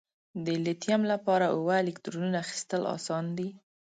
د لیتیم لپاره اووه الکترونو اخیستل آسان دي؟